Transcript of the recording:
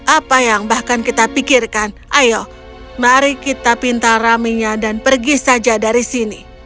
apa yang bahkan kita pikirkan ayo mari kita pintar raminya dan pergi saja dari sini